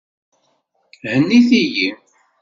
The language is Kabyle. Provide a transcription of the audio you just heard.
Hennit-iyi!